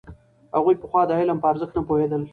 هغوی پخوا د علم په ارزښت نه پوهېدل.